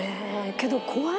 けど怖い。